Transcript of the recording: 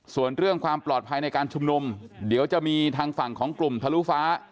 ส่วนเรื่องความปลอดภัยในการชุมนุมเดี๋ยวจะมีทางฝั่งของกลุ่มทะลุฟ้า